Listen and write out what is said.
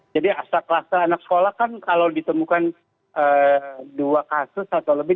jadi asal kluster anak sekolah kan kalau ditemukan dua kasus atau lebih